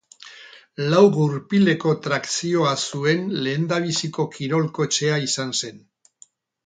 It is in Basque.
Lau gurpileko trakzioa zuen lehendabiziko kirol-kotxea izan zen.